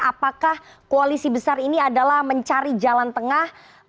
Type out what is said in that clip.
apakah koalisi besar ini adalah mencari jalan tengah